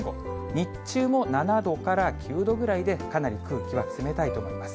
日中も７度から９度ぐらいで、かなり空気は冷たいと思います。